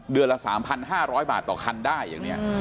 ละ๓๕๐๐บาทต่อคันได้อย่างนี้